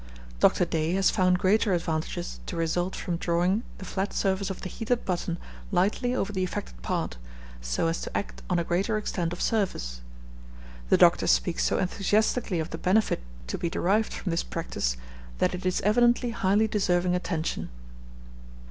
Dr. Day has found greater advantages to result from drawing the flat surface of the heated button lightly over the affected part, so as to act on a greater extent of surface. The doctor speaks so enthusiastically of the benefit to be derived from this practice, that it is evidently highly deserving attention.